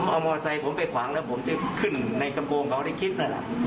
เอามอไซค์ผมไปขวางแล้วผมจะขึ้นในกระโปรงเขาในคลิปนั่นแหละ